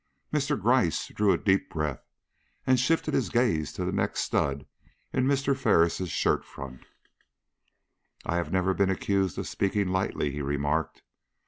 Mr. Gryce drew a deep breath, and shifted his gaze to the next stud in Mr. Ferris' shirt front. "I have never been accused of speaking lightly," he remarked.